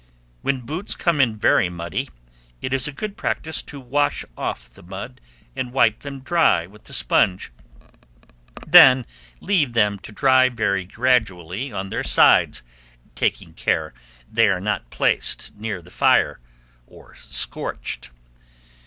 When boots come in very muddy, it is a good practice to wash off the mud, and wipe them dry with a sponge; then leave them to dry very gradually on their sides, taking care they are not placed near the fire, or scorched.